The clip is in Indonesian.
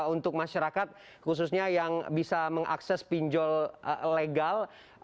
untuk masyarakat khususnya yang bisa mengakses pinjol legal